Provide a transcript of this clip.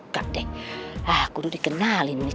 tocaran ya sekarang melt